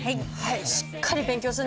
しっかり勉強すんだよ。